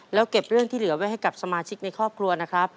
แล้วเก็บเรื่องที่เหลือไว้ให้กับสมาชิกในครอบครัวนะครับ